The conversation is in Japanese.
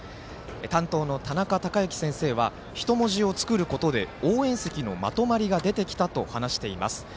担当の、たなかたかゆき先生は人文字を作ることで応援席のまとまりが出てきたと話しています。